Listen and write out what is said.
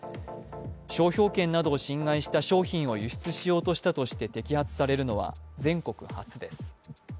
商標権などを侵害した商品を輸出しようとしたとして摘発されるのは全国初です。